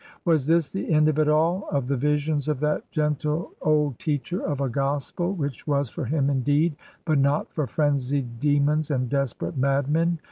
"Was this the end of it all — of the visions of that gentle old teacher of a gospel which was for him indeed, but not for frenzied demons and desperate madmen?"